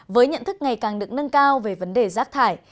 với nhận thức ngày càng được nâng cao về vấn đề rác thải